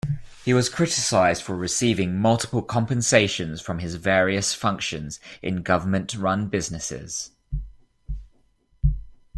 He was criticized for receiving multiple compensations from his various functions in government-run businesses.